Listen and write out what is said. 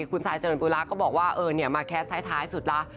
คุณสายจนกูลาสก็บอกว่าเออเนะมาแคสต์ท้ายสุดแล้ว